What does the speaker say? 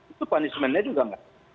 itu punishment nya juga nggak